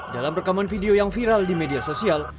dalam rekaman video yang viral di media sosial